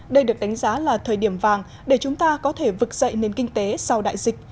đây được đánh giá là thời điểm vàng để chúng ta có thể vực dậy nền kinh tế sau đại dịch